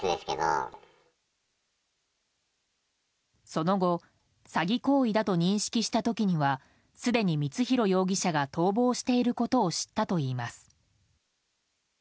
その後詐欺行為だと認識した時にはすでに光弘容疑者が逃亡していることを知ったといいます。